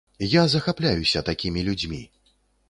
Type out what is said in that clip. Я захапляюся такімі людзьмі.